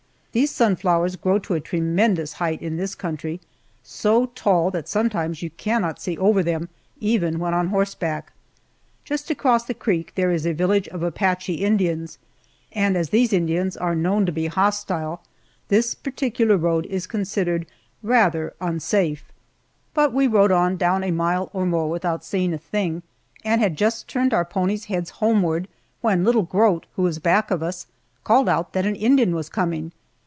These sunflowers grow to a tremendous height in this country, so tall that sometimes you cannot see over them even when on horseback. Just across the creek there is a village of Apache Indians, and as these Indians are known to be hostile, this particular road is considered rather unsafe. But we rode on down a mile or more without seeing a thing, and had just turned our ponies' heads homeward when little Grote, who was back of us, called out that an Indian was coming.